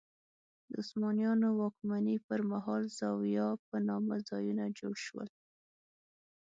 د عثمانیانو واکمنۍ پر مهال زوايا په نامه ځایونه جوړ شول.